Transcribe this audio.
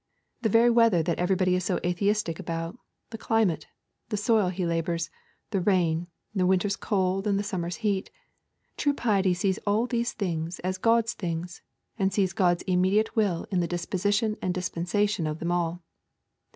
The very weather that everybody is so atheistic about, the climate, the soil he labours, the rain, the winter's cold and the summer's heat, true piety sees all these things as God's things, and sees God's immediate will in the disposition and dispensation of them all.